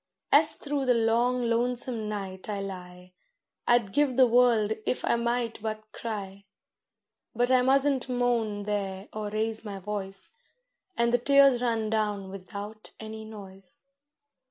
As through the long lonesome night I lie, I'd give the world if I might but cry; But I mus'n't moan there or raise my voice, And the tears run down without any noise.